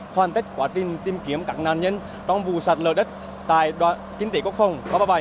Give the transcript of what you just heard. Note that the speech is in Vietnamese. hoàn tất quá trình tìm kiếm các nạn nhân trong vụ sạt lở đất tại đoàn kinh tế quốc phòng ba trăm ba mươi bảy